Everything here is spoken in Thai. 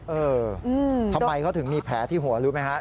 เออทำไมเขาถึงมีแผลที่หัวรู้ไหมครับ